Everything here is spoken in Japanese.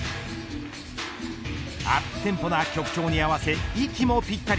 アップテンポな曲調に合わせ息もぴったり。